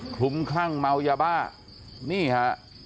คลุมคลั่งเมายาบ้านี่ฮะ